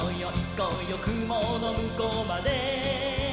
こうよくものむこうまで」